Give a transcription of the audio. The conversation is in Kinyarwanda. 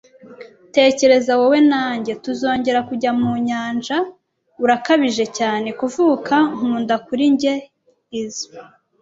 tekereza wowe na njye tuzongera kujya mu nyanja. Urakabije cyane kuvuka nkunda kuri njye. Is